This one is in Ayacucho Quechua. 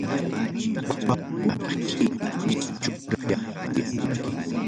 Wakkuna hina wischurayaptiki